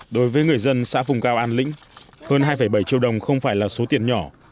đối với người dân xã vùng cao an lĩnh hơn hai bảy triệu đồng không phải là số tiền nhỏ